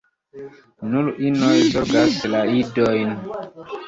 Nur inoj zorgas la idojn.